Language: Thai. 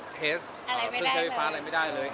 เทสใช้ไฟฟ้าอะไรไม่ได้เลย